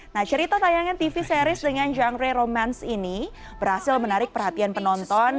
nah cerita tayangan tv series dengan genre romans ini berhasil menarik perhatian penonton